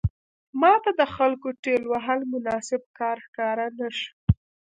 ماته د خلکو ټېل وهل مناسب کار ښکاره نه شو.